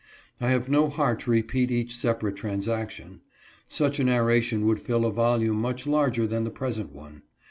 I have no heart to repeat each separate, transaction. Such a narration would fill a volume much larger than the present one.